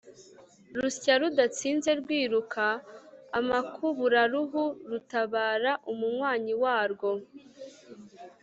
rusya rutanzitse rwiruka amakubaruhu rutabara umunywanyi warwo